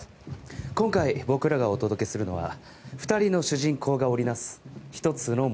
今回僕らがお届けするのは２人の主人公が織りなす１つの物語。